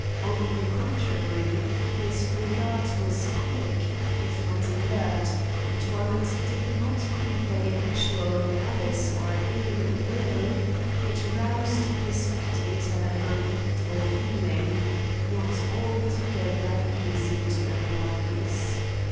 On the contrary, his regard was quick, if not alert, and while it did not convey actual malice or ill will, it roused in the spectator an uncomfortable feeling, not altogether easy to analyze.